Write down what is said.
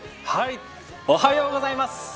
おはようございます。